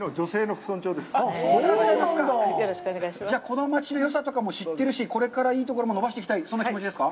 この町のよさとかも知ってるし、これからいいところも伸ばしていきたい、そんな気持ちですか？